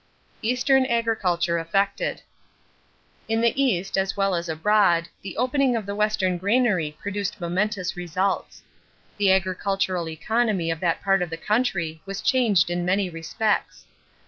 =Eastern Agriculture Affected.= In the East as well as abroad the opening of the western granary produced momentous results. The agricultural economy of that part of the country was changed in many respects.